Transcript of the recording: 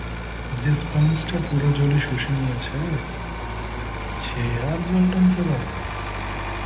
যে স্পঞ্জটা পুরো জলে শুষে নিয়েছে, সে আর জল টানতে পারে না।